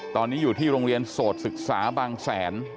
ตอนนี้อยู่ที่โรงเรียนโสดศึกษาบางแสน